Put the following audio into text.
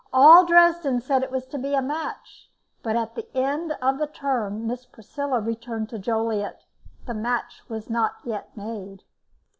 All Dresden said it was to be a match, but at the end of the term Miss Priscilla returned to Joliet the match was not yet made.